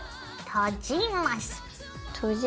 閉じます。